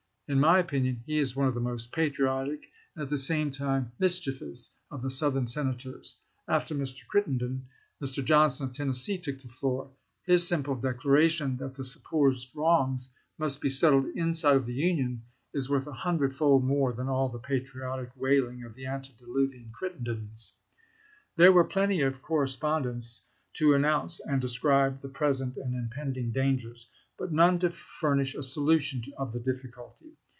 In my opinion he is one of the most patriotic and at the same time mischievous of the Southern Senators. .. After Mr. Crittenden, Mr. Johnson, of Tennessee, took the floor. .. His simple declaration that the supposed wrongs must be settled inside of the Union is worth a hundred fold more than all the patriotic wailing of the antediluvian Crittendens." There were plenty of correspondents to announce and describe the present and impending dangers, but none to furnish a solution of the difficulty.